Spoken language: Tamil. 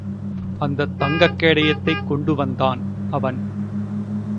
அந்தத் தங்கக் கேடயத்தைக் கொண்டு அவன்.